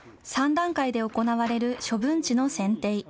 ３段階で行われる処分地の選定。